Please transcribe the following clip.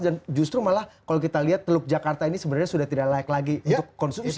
dan justru malah kalau kita lihat teluk jakarta ini sebenarnya sudah tidak layak lagi untuk konsumsi